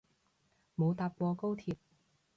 冇搭過高鐵